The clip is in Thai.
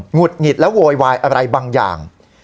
ุดหงิดและโวยวายอะไรบางอย่าง